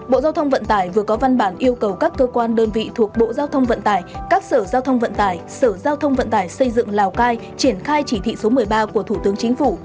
bộ giao thông vận tải vừa có văn bản yêu cầu các cơ quan đơn vị thuộc bộ giao thông vận tải các sở giao thông vận tải sở giao thông vận tải xây dựng lào cai triển khai chỉ thị số một mươi ba của thủ tướng chính phủ